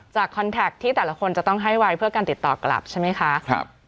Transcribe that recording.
คอนแท็กที่แต่ละคนจะต้องให้ไว้เพื่อการติดต่อกลับใช่ไหมคะ